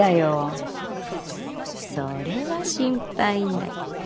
それは心配ない。